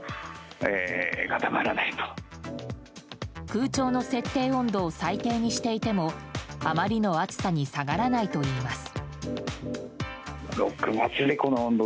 空調の設定温度を最低にしていてもあまりの暑さに下がらないといいます。